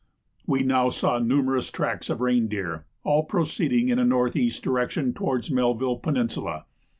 We now saw numerous tracks of rein deer, all proceeding in a N.E. direction towards Melville Peninsula.